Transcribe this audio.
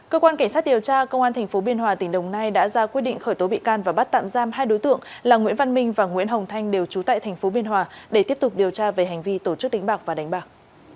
cơ quan cảnh sát điều tra công an tp biên hòa tỉnh đồng nai đã ra quyết định khởi tố bị can và bắt tạm giam hai đối tượng là nguyễn văn minh và nguyễn hồng thanh đều trú tại tp biên hòa để tiếp tục điều tra về hành vi tổ chức đánh bạc và đánh bạc